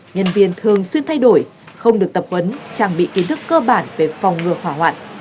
nhân viên thường xuyên thay đổi không được tập huấn trang bị kiến thức cơ bản về phòng ngừa hỏa hoạn